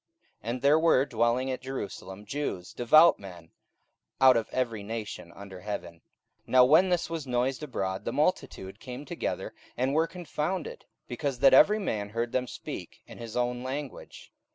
44:002:005 And there were dwelling at Jerusalem Jews, devout men, out of every nation under heaven. 44:002:006 Now when this was noised abroad, the multitude came together, and were confounded, because that every man heard them speak in his own language.